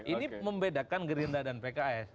ini membedakan gerindra dan pks